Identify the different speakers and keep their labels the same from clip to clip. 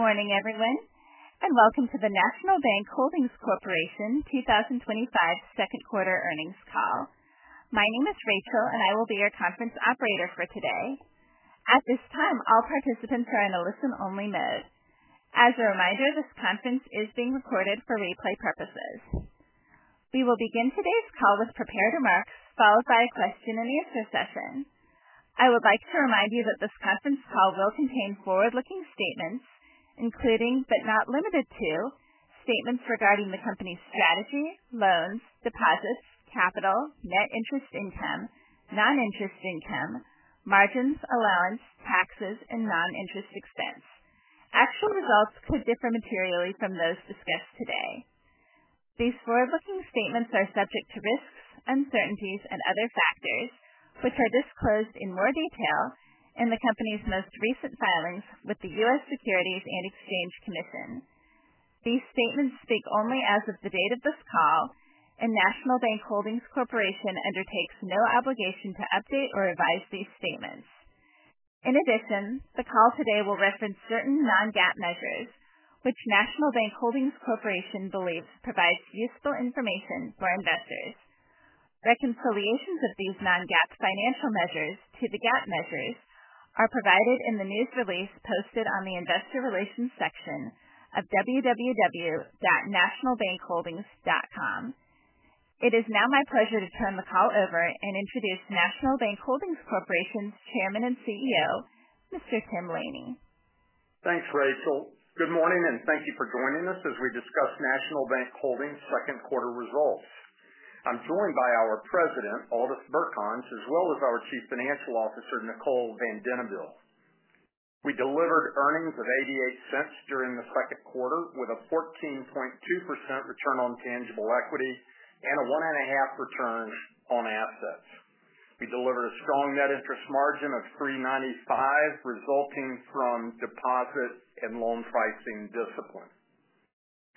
Speaker 1: Good morning, everyone, and welcome to the National Bank Holdings Corporation 2025 second quarter earnings call. My name is Rachel, and I will be your conference operator for today. At this time, all participants are in a listen-only mode. As a reminder, this conference is being recorded for replay purposes. We will begin today's call with prepared remarks followed by a question and answer session. These statements speak only as of the date of this call, and National Bank Holdings Corporation undertakes no obligation to update or revise these statements. In addition, the call today will reference certain non-GAAP measures, which National Bank Holdings Corporation believes provide useful information for investors. Reconciliations of these non-GAAP financial measures to the GAAP measures are provided in the news release posted on the Investor Relations section of www.nationalbankholdings.com.
Speaker 2: Thanks, Rachel. Good morning, and thank you for joining us as we discuss National Bank Holdings Corporation’s second quarter results. I’m joined by our President, Aldis Birkans, as well as our Chief Financial Officer, Nicole Van Denabeele.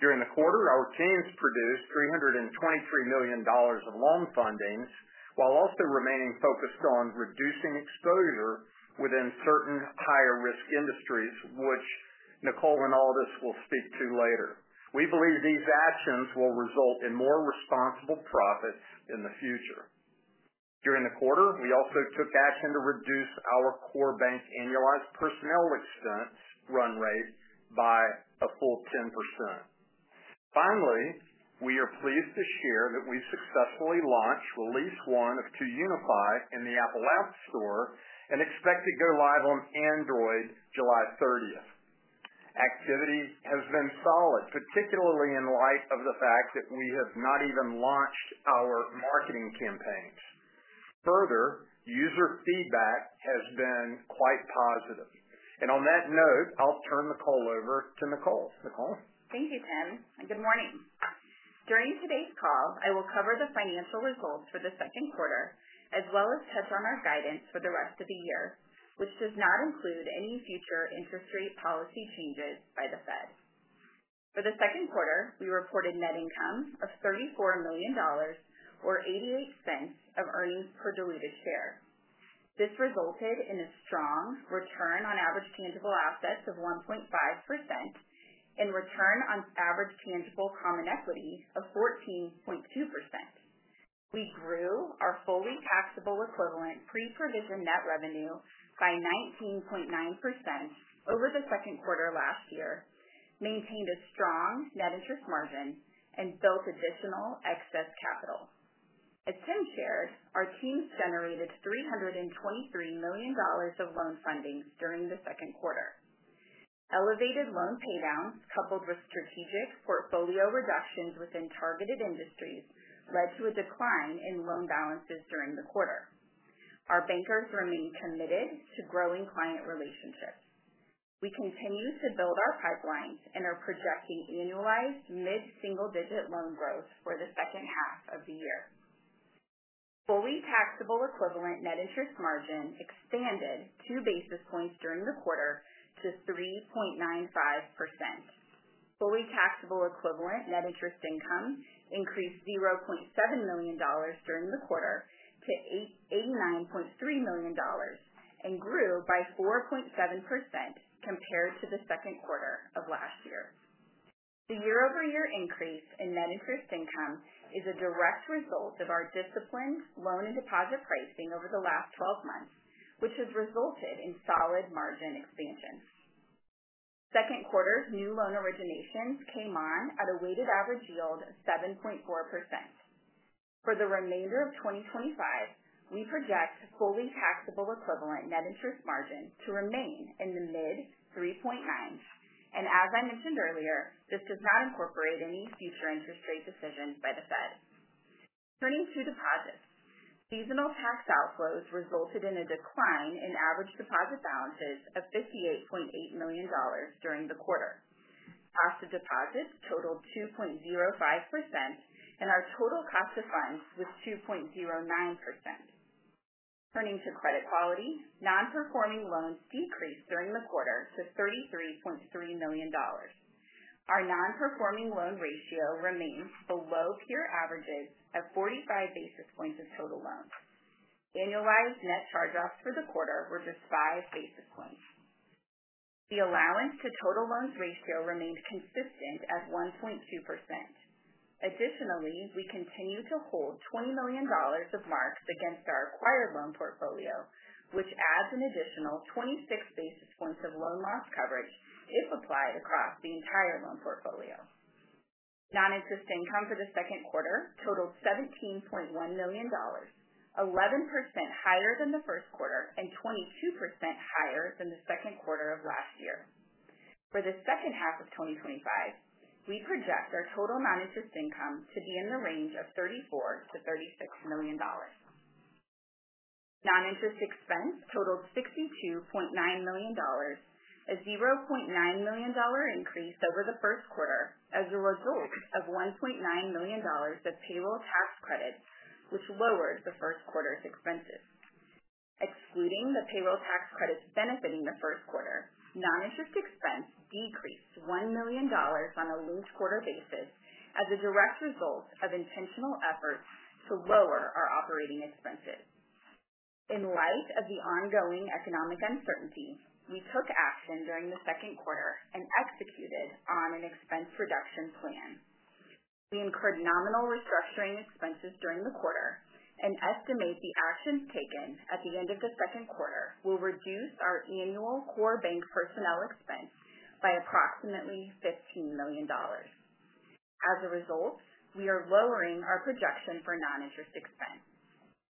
Speaker 2: Finally, we are pleased to share that we successfully launched release one of 2Unify in the Apple App Store and expect to go live on Android on July 30. Activity has been solid, particularly in light of the fact that we have not even launched our marketing campaigns. Furthermore, user feedback has been quite positive. On that note, I’ll turn the call over to Nicole.
Speaker 3: Thank you, Ken, and good morning. During today’s call, I will cover the financial results for the second quarter, as well as touch on our guidance for the rest of the year, which does not include any future interest rate policy changes by the Federal Reserve. Our bankers remain committed to growing client relationships. We continue to build our pipelines and are projecting annualized mid-single-digit loan growth for the second half of the year. Turning to deposits, seasonal cash outflows resulted in a decline in average deposit balances of $58.8 million during the quarter. Passive deposits totaled 2.05%, and our total cost of funds was For the second half of 2025, we project our total non-interest income to be in the range of $34 million–$36 million. Non-interest expense totaled $62.9 million, a $0.9 million increase over the first quarter as a result of $1.9 million of payroll tax credits, which lowered first-quarter expenses.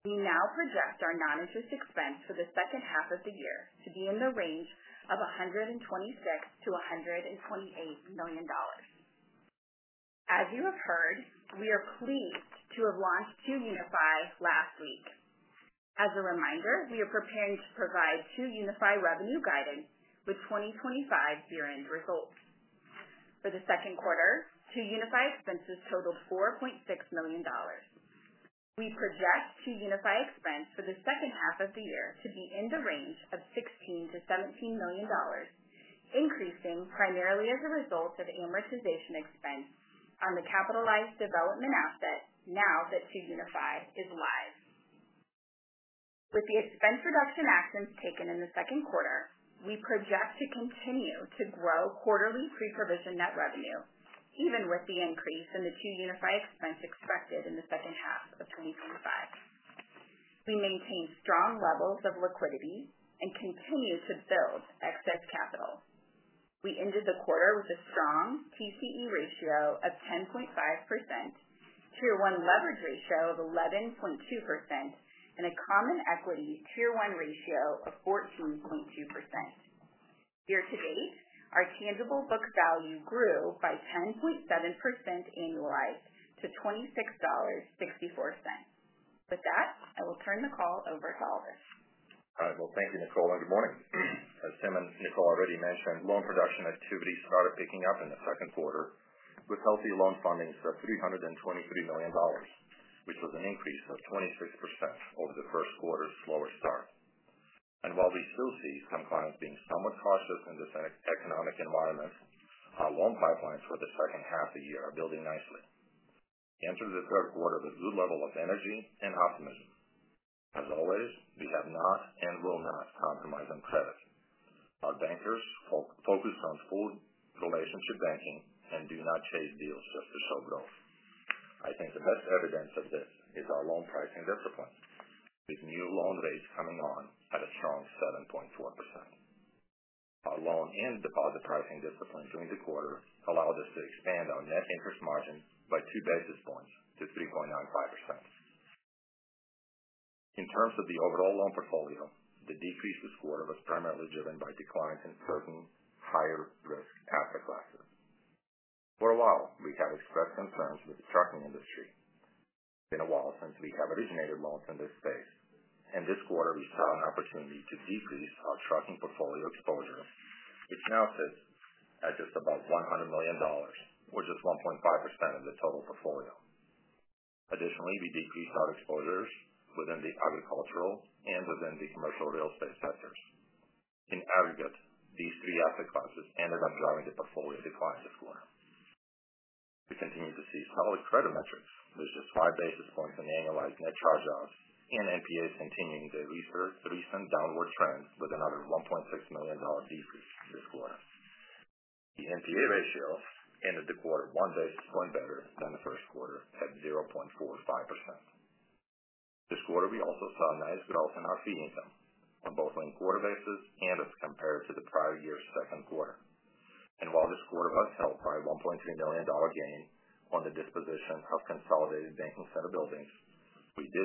Speaker 3: We now project our non-interest expense for the second half of the year to be in the range of $126 million–$128 million. As you have heard, we are pleased to have launched 2Unify last week. As a reminder, we are preparing to provide 2Unify revenue guidance with our 2025 year-end results. We ended the quarter with a strong TCE ratio of 10.5%, a Tier 1 leverage ratio of 11.2%, and a Common Equity Tier 1 ratio of 14.2%. Year to date, our tangible book value grew by 10.7% annualized to $26.64.
Speaker 4: Thank you, Nicole, and good morning. As Tim and Nicole already mentioned, loan production activity started picking up in the second quarter, with healthy loan fundings of $323 million, which was an increase of 26% over the first quarter’s slower start. Our loan and deposit pricing discipline during the quarter allowed us to expand our net interest margin by two basis points to 3.95%. In terms of the overall loan portfolio, the decrease this quarter was primarily driven by declines in certain higher-risk asset classes. We continue to see solid credit metrics, with just five basis points in annualized net charge-offs and non-performing assets continuing their recent downward trend, with another $1.6 million decrease this quarter. The NPA ratio ended the quarter one basis point better than the first quarter, at 0.45%.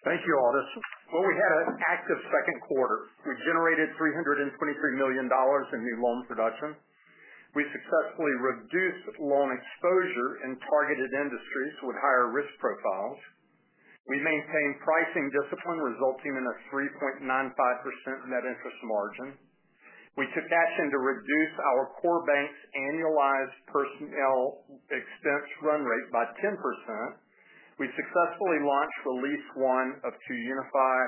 Speaker 2: Thank you, Aldis. We had an active second quarter. We generated $323 million in new loan production. We successfully reduced loan exposure in targeted industries with higher risk profiles. We maintained pricing discipline, resulting in a 3.95% net interest margin. We took action to reduce our core bank’s annualized personnel expense run rate by 10%. We successfully launched release one of 2Unify,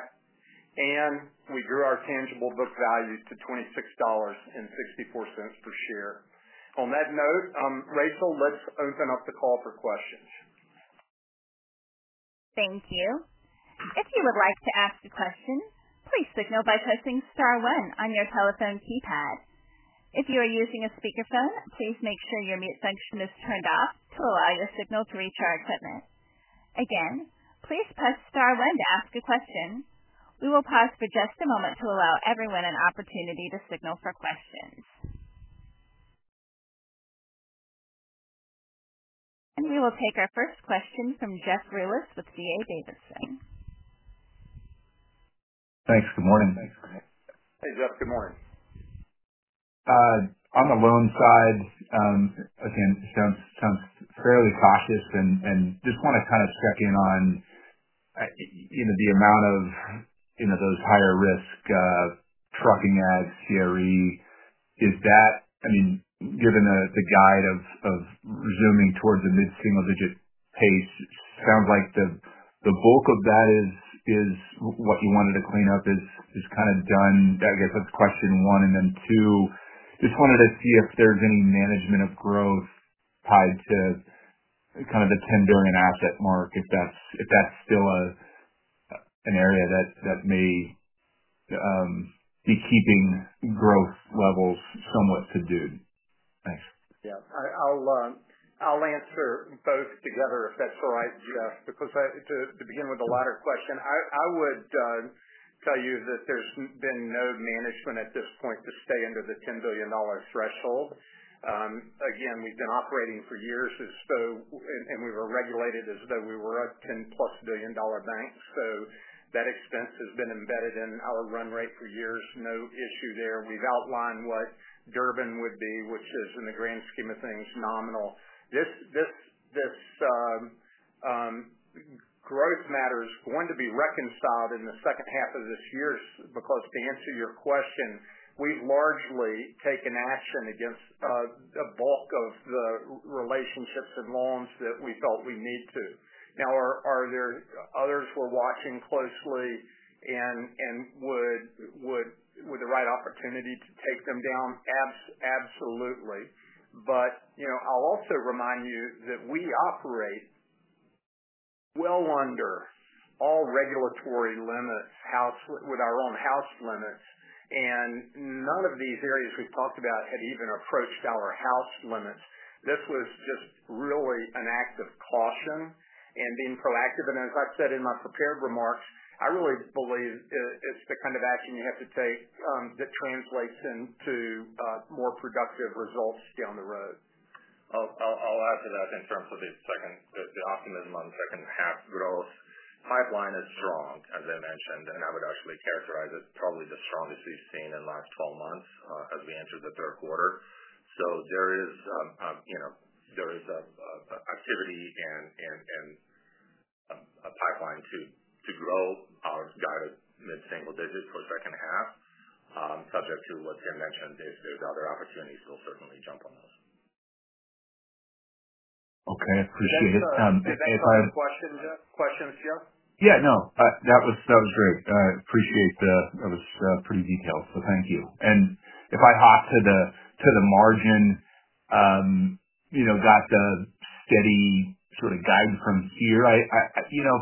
Speaker 2: and we grew our tangible book value to $26.64 per share. On that note, Rachel, let’s open up the call for questions.
Speaker 1: Thank you. If you would like to ask a question, please signal by pressing star one on your telephone keypad. If you are using a speakerphone, please make sure your mute function is turned off to allow your signal to reach our equipment. Again, please press star one to ask a question. We will pause for just a moment to allow everyone an opportunity to signal for questions. We will take our first question from Jeff Rulis with DA Davidson.
Speaker 5: Thanks. Good morning. Thanks, Rachel.
Speaker 2: Hey, Jeff. Good morning.
Speaker 5: On the loan side, it sounds fairly cautious. I just want to check in on the amount of those higher-risk trucking, agriculture, and commercial rail CRE exposures. Are you guiding us to resume toward a mid-single-digit pace? It sounds like the bulk of what you wanted to clean up is largely done.
Speaker 2: Yeah, I’ll answer both together, if that’s all right, Jeff. To begin with the latter question, I would tell you that there’s been no management at this point to stay under the $10 billion threshold. We’ve been operating for years as though, and we’ve been regulated as though, we were a 10-plus-billion-dollar bank. That expense has been embedded in our run rate for years, so there’s no issue there. You know, I’ll also remind you that we operate well under all regulatory limits, with our own house limits. None of the areas we’ve discussed have even approached those internal thresholds. This was really an act of caution and being proactive. As I mentioned in my prepared remarks, I truly believe it’s the kind of action you have to take that translates into more productive results down the road.
Speaker 4: I’ll add to that in terms of optimism for the second half. Our pipeline is strong, as I mentioned, and I would actually characterize it as the strongest we’ve seen in the last 12 months as we entered the third quarter. There is activity and a pipeline to support our guided mid-single-digit growth for the second half. Subject to what’s been mentioned, there are other opportunities, and we’ll certainly act on those.
Speaker 5: Okay, I appreciate it.
Speaker 2: Any other questions, Jeff?
Speaker 5: Yeah, no, that was great. I appreciate that — that was pretty detailed, so thank you. If I could hop to the margin, you’ve provided steady guidance from here.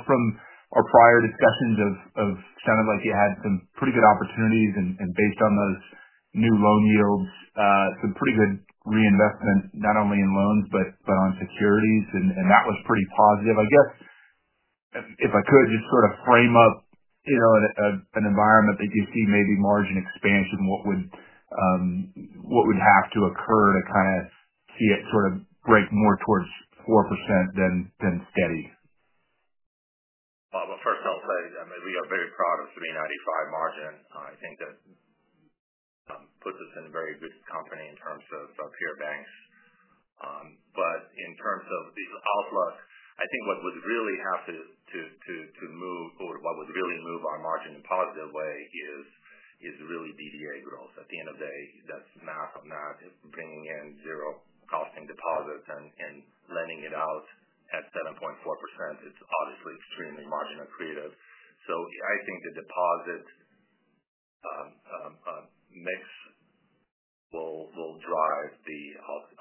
Speaker 5: From our prior discussions, it sounded like you had some solid opportunities, and based on those new loan yields, some favorable reinvestment potential — not only in loans but also in securities — and that was encouraging.
Speaker 4: First, I’ll say we’re very proud of the 3.95% margin. I think that puts us in very good company among our peer banks. In terms of the outlook, what would really move our margin in a positive way is DDA growth. At the end of the day, it’s the math of math — bringing in zero-cost deposits and lending them out at 7.4%. That’s obviously extremely margin accretive. I think the deposit mix will ultimately drive the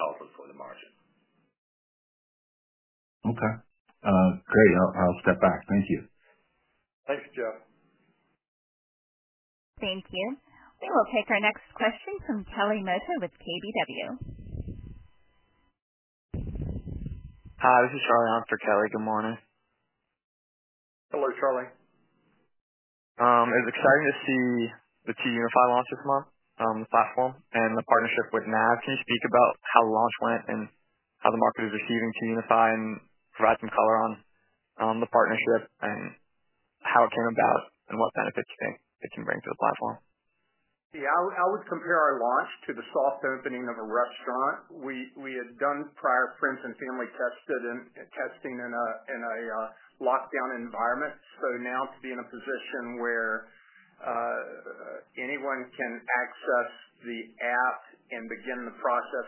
Speaker 4: outlook for the margin.
Speaker 5: Okay. Great. I'll step back. Thank you.
Speaker 2: Thanks, Jeff.
Speaker 1: Thank you. We will take our next question from Kelly Knightley with KBW.
Speaker 6: Hi. This is Charlie on for Kelly. Good morning.
Speaker 2: Hello, Charlie.
Speaker 6: It was exciting to see the 2Unify launch this month, along with the platform and the partnership with Nav. Can you speak about how the launch went and how the market is receiving 2Unify, and provide some color on the partnership — how it came about and what benefits you think it can bring to the platform?
Speaker 2: Yeah, I would compare our launch to the soft opening of a restaurant. We had completed prior friends-and-family testing in a controlled environment, and now we’re in a position where anyone can access the app and begin the process.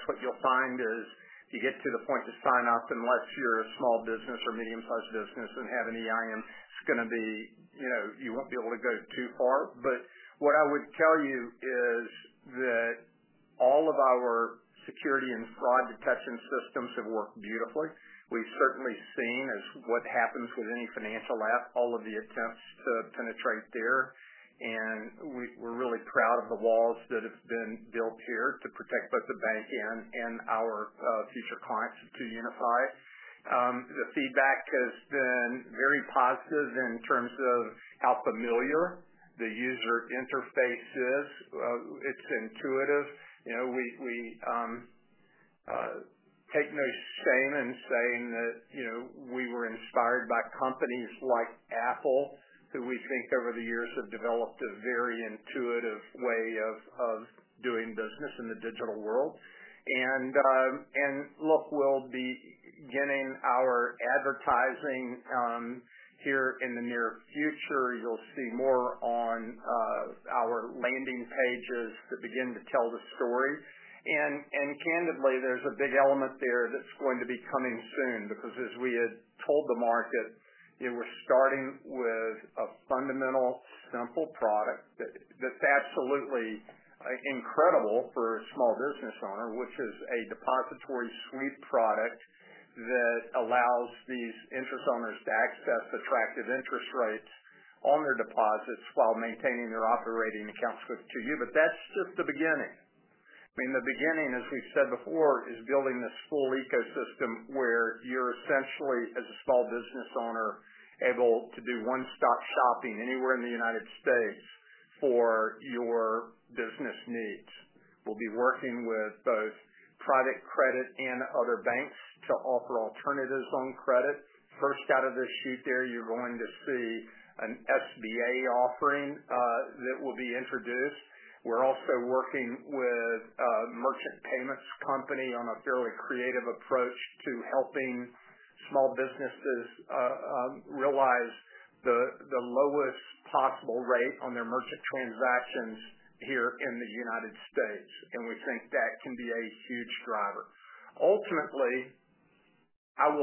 Speaker 2: The feedback has been very positive regarding how familiar and intuitive the user interface feels. We take no shame in saying that we were inspired by companies like Apple, which over the years have developed a remarkably intuitive way of doing business in the digital world. The beginning, as we’ve said before, is about building a full ecosystem where, as a small business owner, you’re essentially able to do one-stop shopping anywhere in the U.S. for your business needs. We’ll be working with both private credit providers and other banks to offer credit alternatives. You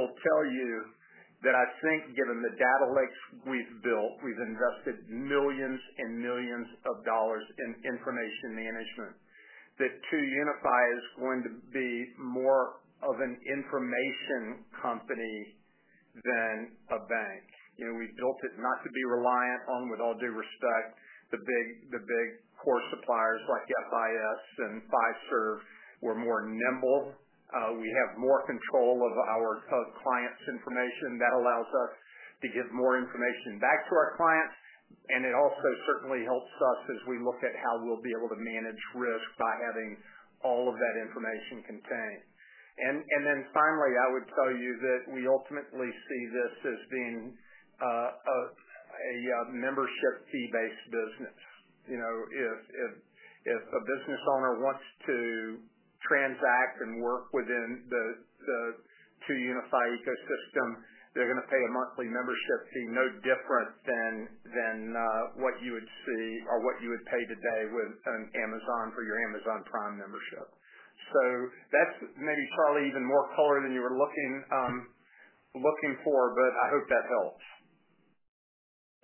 Speaker 2: know, we built it not to be reliant on, with all due respect, the big core providers like FIS and Fiserv. We’re more nimble and have greater control over our clients’ information, which allows us to provide even more insights back to them. It also helps us better manage risk by having all that information contained within our ecosystem.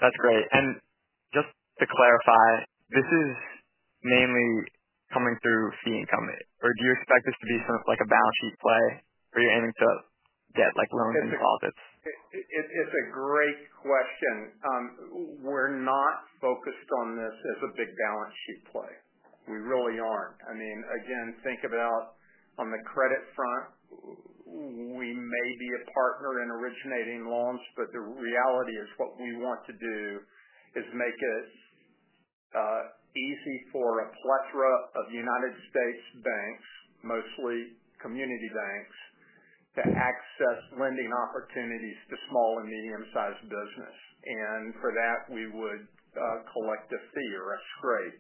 Speaker 6: That's great. Just to clarify, this is mainly coming through fee income. Do you expect this to be sort of like a balance sheet play? Are you aiming to get loans and deposits?
Speaker 2: It’s a great question. We’re not focused on this as a big balance sheet play — we really aren’t. On the credit front, we may be a partner in originating loans, but the goal is to make it easy for a wide range of U.S. banks, primarily community banks, to access lending opportunities for small and medium-sized businesses. For that, we would collect a fee or a scrape.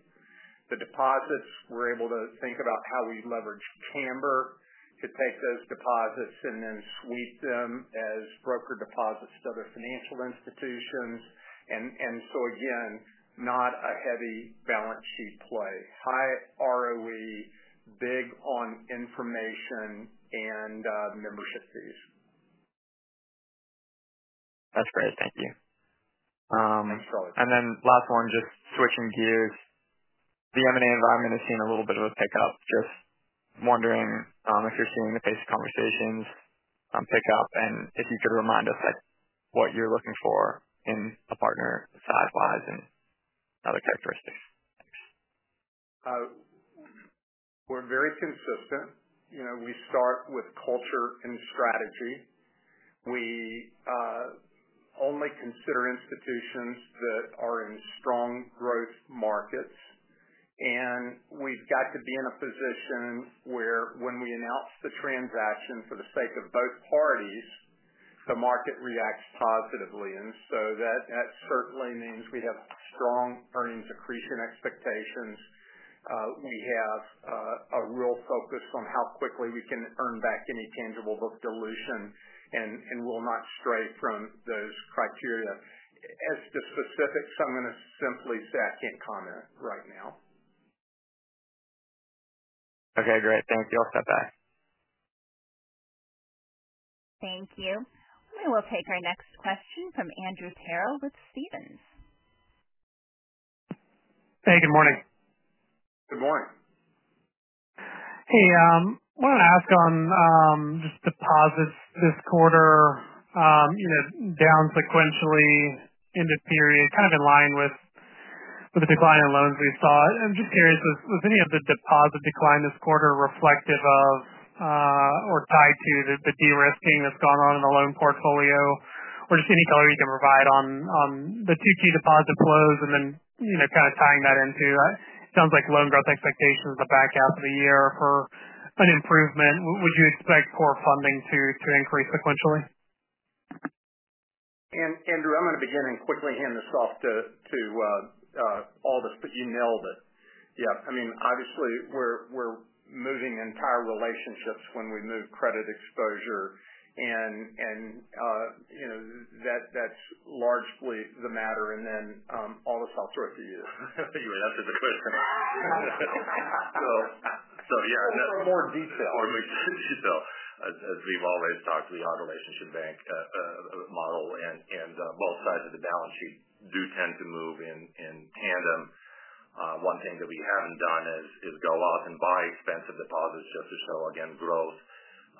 Speaker 6: That's great. Thank you.
Speaker 2: Thanks, Charlie.
Speaker 6: Last one, just switching gears. The M&A environment is seeing a little bit of a pickup. Just wondering if you're seeing the face conversations pick up and if you could remind us what you're looking for in a partner size-wise and other characteristics.
Speaker 2: We’re very consistent. We start with culture and strategy. We only consider institutions operating in strong growth markets. We have to be in a position where, when we announce a transaction, the market reacts positively — for the sake of both parties. That means we must have a strong expected earnings increase, and we maintain a real focus on how quickly we can earn back any tangible book value dilution. We will not stray from those criteria.
Speaker 6: Okay, great. Thank you. I'll step back.
Speaker 1: Thank you. We will take our next question from Andrew Pikul with Stephens.
Speaker 7: Hey, good morning.
Speaker 4: Good morning.
Speaker 7: I wanted to ask on just deposits this quarter, down sequentially in the period, kind of in line with the decline in loans we saw. I'm just curious, was any of the deposit decline this quarter reflective of or tied to the de-risking that's gone on in the loan portfolio? Any color you can provide on the two key deposit flows and then tying that into it sounds like loan growth expectations in the back half of the year for an improvement. Would you expect core funding to increase sequentially?
Speaker 2: Andrew, I'm going to begin and quickly hand this off to Aldis, but you nailed it. Obviously, we're moving entire relationships when we move credit exposure. That's largely the matter. Aldis, I'll throw it to you.
Speaker 4: Figure it out through the first quarter. So yeah. More detail. More detail — as we’ve always discussed, we operate under a relationship banking model, and both sides of the balance sheet tend to move in tandem. One thing we haven’t done is go out and buy expensive deposits just to show growth.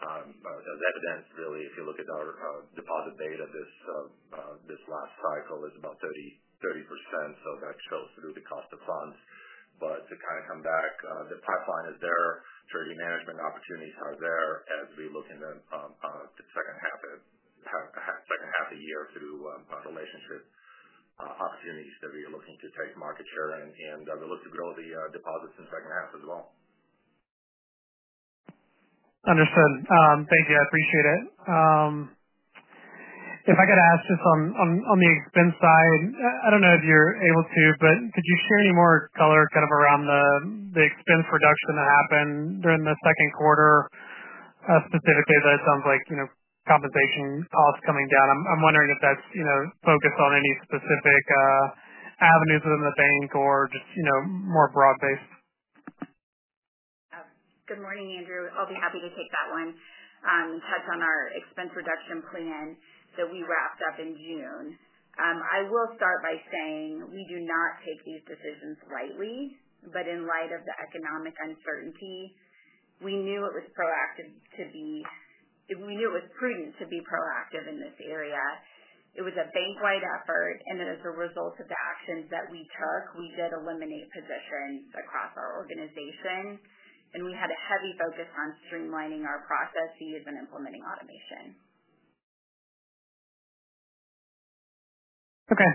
Speaker 4: As evidenced by our deposit data from this last cycle, it’s about 30%, and that shows through the cost of funds.
Speaker 7: Understood. Thank you. I appreciate it. If I could ask this on the expense side, I don't know if you're able to, but could you share any more color around the expense reduction that happened during the second quarter? Specifically, that sounds like compensation costs coming down. I'm wondering if that's focused on any specific avenues within the bank or just more broad base.
Speaker 3: Good morning, Andrew. I'll be happy to take that one. That's on our expense reduction plan that we wrapped up in June. I will start by saying we do not take these decisions lightly. In light of the economic uncertainty, we knew it was prudent to be proactive in this area. It was a bank-wide effort, and as a result of the actions that we took, we did eliminate positions across our organization. We had a heavy focus on streamlining our processes and implementing automation.
Speaker 7: Okay,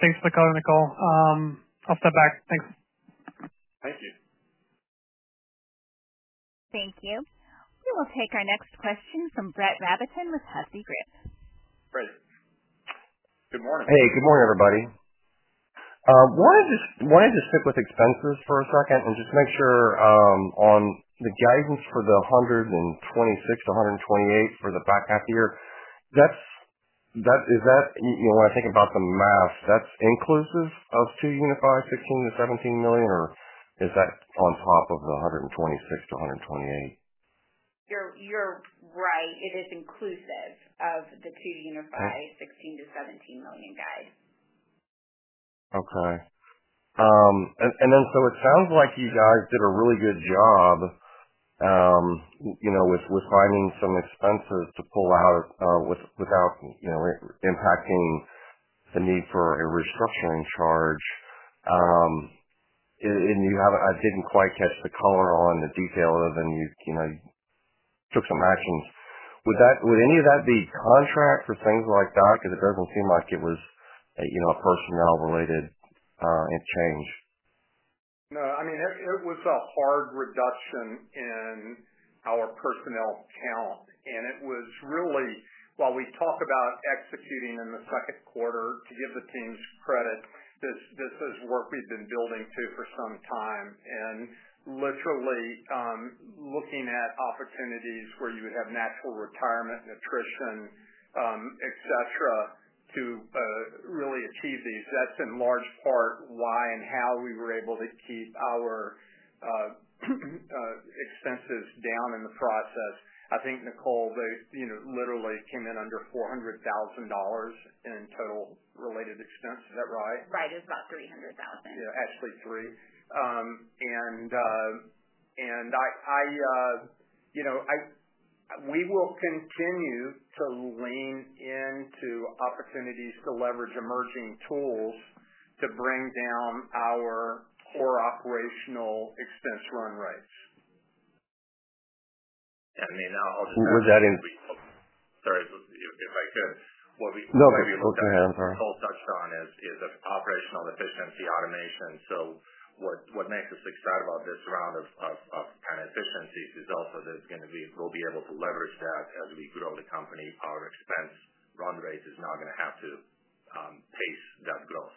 Speaker 7: thanks for the color, Nicole. I'll step back. Thanks.
Speaker 2: Thank you.
Speaker 1: Thank you. We will take our next question from Brett Rabatin with Husky Group.
Speaker 8: Brett, good morning. Hey, good morning, everybody. I wanted to stick with expenses for a second and make sure I understand the guidance for the $126 million–$128 million for the back half of the year. When I think about the math, is that inclusive of the 2Unify $16 million–$17 million guidance, or is that on top of it?
Speaker 3: You're right. It is inclusive of the 2Unify $16 million to $17 million guide.
Speaker 8: Okay. It sounds like you guys did a really good job with finding some expenses to pull out without impacting the need for a restructuring charge. You haven't, I didn't quite catch the color on the detail other than you took some actions. Would any of that be contract for things like that? Because it doesn't seem like it was a personnel-related exchange.
Speaker 2: No. I mean, it was a hard reduction in our personnel count. It was really, while we talk about executing in the second quarter, to give the teams credit, this is work we've been building to for some time. Literally, looking at opportunities where you would have natural retirement, attrition, etc., to really achieve these. That's in large part why and how we were able to keep our expenses down in the process. I think, Nicole, they literally came in under $400,000 in total related expenses. Is that right?
Speaker 3: Right. It was about $300,000.
Speaker 2: Yeah, actually three. We will continue to lean into opportunities to leverage emerging tools to bring down our core operational expense run rates.
Speaker 4: I'll just was that in? Sorry right there. No, What we're looking at, Nicole touched on, is operational efficiency automation. What makes us excited about this round of efficiencies is also that we'll be able to leverage that as we grow the company. Our expense run rate is not going to have to face that growth.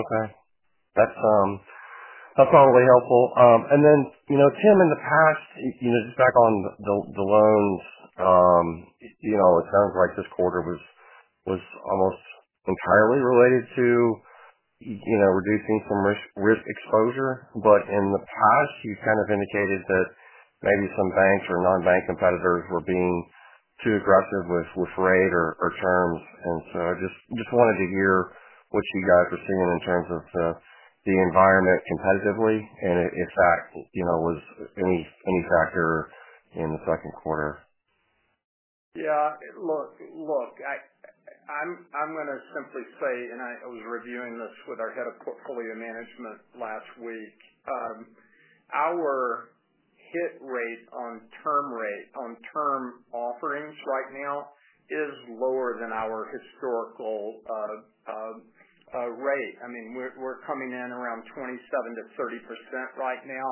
Speaker 8: Okay. That's probably helpful. Tim, in the past, just back on the loans, it sounds like this quarter was almost entirely related to reducing some risk exposure. In the past, you kind of indicated that maybe some banks or non-bank competitors were being too aggressive with rate or terms. I just wanted to hear what you guys are feeling in terms of the environment competitively and if that was any factor in the second quarter.
Speaker 2: Yeah. I’m going to simply say, I was reviewing this with our Head of Portfolio Management last week. Our hit rate on term offerings right now is lower than our historical rate. I mean, we're coming in around 27% to 30% right now.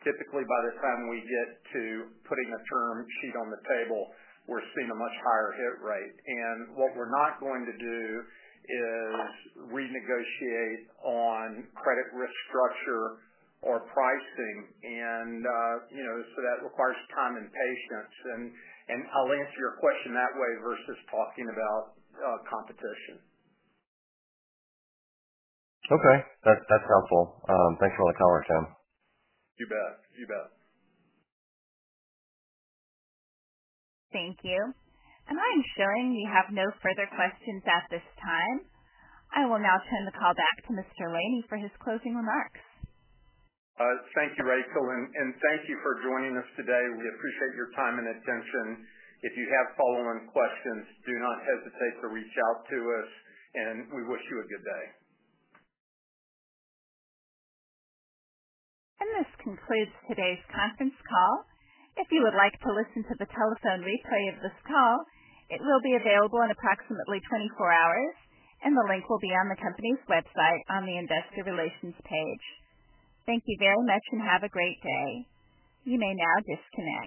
Speaker 2: Typically, by the time we get to putting a term sheet on the table, we're seeing a much higher hit rate. What we're not going to do is renegotiate on credit risk structure or pricing. That requires time and patience. I'll answer your question that way versus talking about competition.
Speaker 8: Okay, that's helpful. Thanks for the color, Tim.
Speaker 2: You bet. You bet.
Speaker 1: Thank you. As I'm not ensuring you have no further questions at this time, I will now turn the call back to Mr. Laney for his closing remarks. Thank you, Rachel, and thank you for joining us today. We appreciate your time and attention. If you have follow-on questions, do not hesitate to reach out to us. We wish you a good day. This concludes today's conference call. If you would like to listen to the telephone replay of this call, it will be available in approximately 24 hours, and the link will be on the company's website on the investor relations page. Thank you very much and have a great day. You may now disconnect.